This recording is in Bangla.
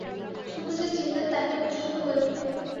শুধু যে চিনলেন তাই নয়, উচ্ছ্বসিত হয়ে উঠলেন।